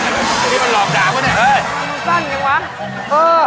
นี่มันหลอกด่าไว้นะฮือนี่ดูสั้นยังวะ